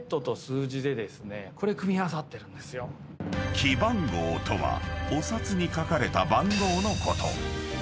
［記番号とはお札に書かれた番号のこと］